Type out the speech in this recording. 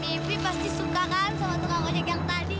mimpi pasti suka kan sama tukang ojek yang tadi